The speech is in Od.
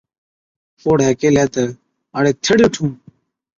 پوڙهَي ڪيهلَي تہ، ’اَڙي ٿِڙ اِٺُون،